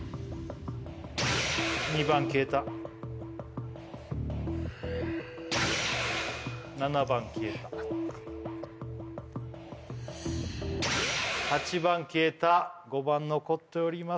２番消えた７番消えた８番消えた５番残っております